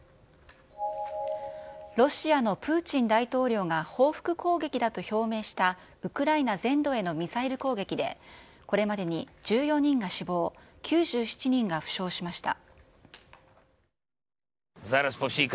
ロシアのプーチン大統領が報復攻撃だと表明したウクライナ全土へのミサイル攻撃で、これまでに１４人が死亡、９７人が負傷しました。